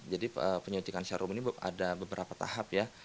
jadi penyutikan serum ini ada beberapa tahap ya